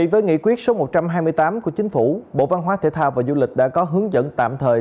với nghị quyết số một trăm hai mươi tám của chính phủ bộ văn hóa thể thao và du lịch đã có hướng dẫn tạm thời